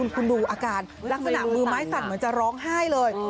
คุณดูอาการลักษณะมือไม้สั่นเหมือนจะร้องไห้เลย